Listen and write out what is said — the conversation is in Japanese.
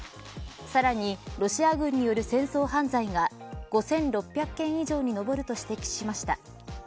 さらにロシア軍による戦争犯罪が５６００件以上に上ると指摘しました。